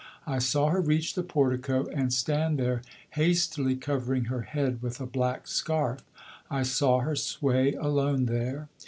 I saw her reach the portico and stand there hastily covering her head with a black scarf; I saw her sway alone there.